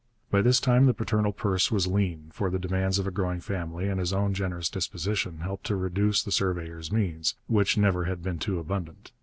By this time the paternal purse was lean, for the demands of a growing family and his own generous disposition helped to reduce the surveyor's means, which never had been too abundant.